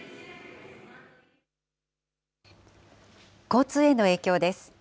交通への影響です。